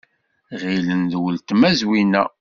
Ɣilen d uletma Zwina.